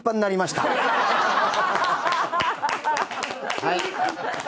はい。